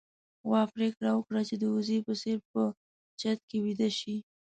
غوا پرېکړه وکړه چې د وزې په څېر په چت کې ويده شي.